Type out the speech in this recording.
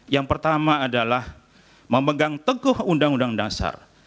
yang pertama adalah memegang teguh undang undang dasar